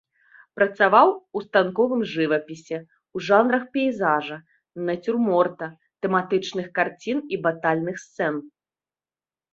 Працаваў у станковым жывапісе, у жанрах пейзажа, нацюрморта, тэматычных карцін і батальных сцэн.